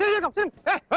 kalau masa itu